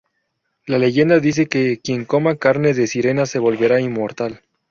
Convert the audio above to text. La leyenda dice que quien coma carne de sirena se volverá inmortal.